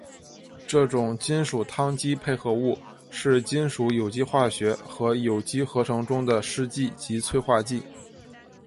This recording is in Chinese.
这种金属羰基配合物是金属有机化学和有机合成中的试剂及催化剂。